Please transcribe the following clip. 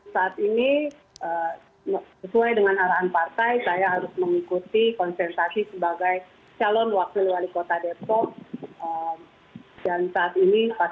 saat ini sesuai dengan arahan partai saya harus mengikuti konsentrasi sebagai